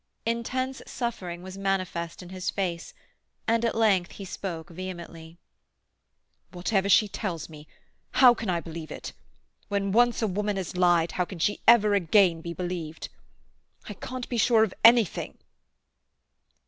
Intense suffering was manifest in his face, and at length he spoke vehemently. "Whatever she tells me—how can I believe it? When once a woman has lied how can she ever again be believed? I can't be sure of anything."